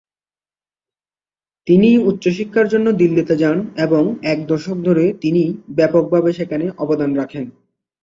তিনি উচ্চশিক্ষার জন্য দিল্লিতে যান এবং এক দশক ধরে তিনি ব্যাপকভাবে সেখানে অবদান রাখেন।